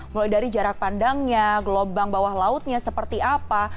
mulai dari jarak pandangnya gelombang bawah lautnya seperti apa